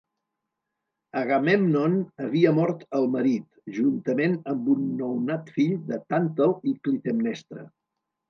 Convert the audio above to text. Agamèmnon havia mort el marit, juntament amb un nounat fill de Tàntal i Clitemnestra.